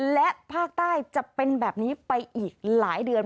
และภาคใต้จะเป็นแบบนี้ไปอีกหลายเดือน